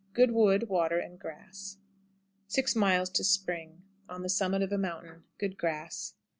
Good wood, water, and grass. 6. Spring. On the summit of a mountain. Good grass.